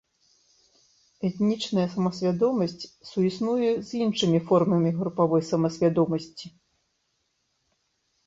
Этнічная самасвядомасць суіснуе з іншымі формамі групавой самасвядомасці.